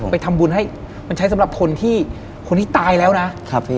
ไปทำบุญให้มันใช้สำหรับคนที่ตายแล้วนะ